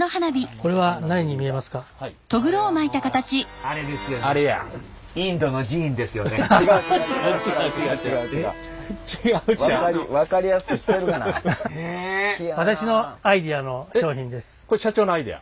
これ社長のアイデア？